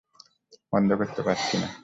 বন্ধ করতে পারছি না!